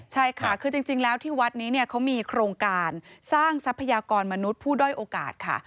ใช่ค่ะคือจริงแล้วที่วัดนี้เขามีโครงการสร้างทรัพยากรมนุษย์ผู้ด้อยโอกาสค่ะ